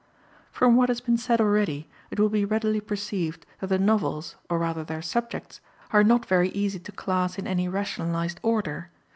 From what has been said already, it will be readily perceived that the novels, or rather their subjects, are not very easy to class in any rationalised order.